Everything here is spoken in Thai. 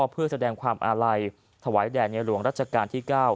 เพื่อแสดงความอาลัยถวายแด่ในหลวงรัชกาลที่๙